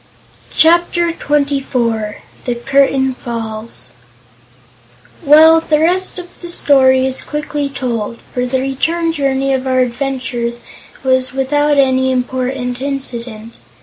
Chapter Twenty Four The Curtain Falls Well, the rest of the story is quickly told, for the return Journey of our adventurers was without any important incident.